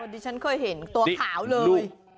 เมื่อดีฉันเคยเห็นตัวขาวเลย